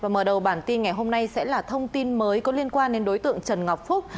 và mở đầu bản tin ngày hôm nay sẽ là thông tin mới có liên quan đến đối tượng trần ngọc phúc